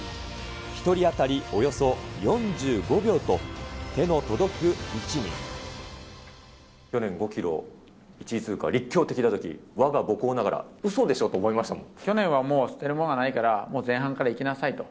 １人当たりおよそ４５秒と、去年５キロ、１位通過、立教って聞いたとき、わが母校ながら、うそでしょと思いましたも去年はもう捨てるものはないから、前半から行きなさいと。